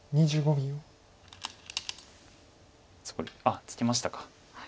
あっツケましたか。